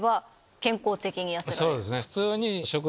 そうですね。